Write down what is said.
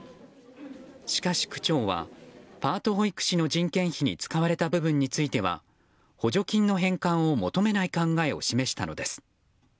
しかし区長はパート保育士の人件費に使われた部分については補助金の返還を求めない考えを示したのです。